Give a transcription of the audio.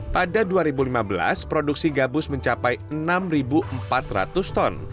pada dua ribu lima belas produksi gabus mencapai enam empat ratus ton